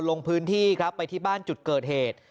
ลงพื้นที่ครับไปที่บ้านจุดเกิดเหตุ